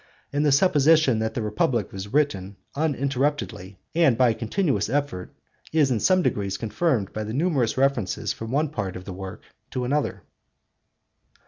And the supposition that the Republic was written uninterruptedly and by a continuous effort is in some degree confirmed by the numerous references from one part of the work to another.